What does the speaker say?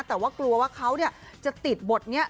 แต่ว่ากลัวว่าเขาจะติดบทนี้